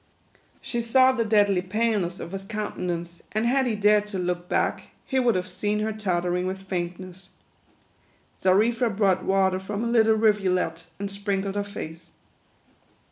She saw the deadly paleness of his countenance, and had he dared to look back, he would have seen her tottering with faintness. Xarifa brought water from a little rivulet, and sprink led her face.